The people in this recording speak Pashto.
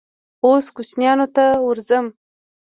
_اوس کوچيانو ته ورځم.